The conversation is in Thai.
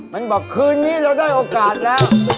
มันบอกคืนนี้เราได้โอกาสแล้ว